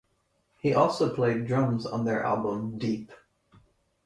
He also played drums on their album "Deep".